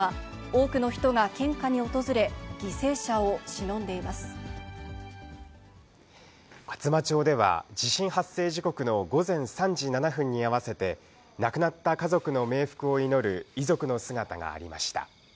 最大震度７を観測した北海道の厚真町には、多くの人が献花に訪れ、厚真町では、地震発生時刻の午前３時７分に合わせて、亡くなった家族の冥福を祈る遺族の姿がありました。